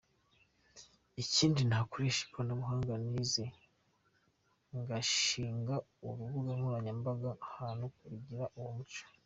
Ikindi nakoresha ikoranabuhanga nize ngashinga urubuga nkoranyambaga abantu bigiraho uwo muco.